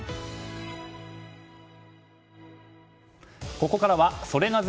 ここからはソレなぜ？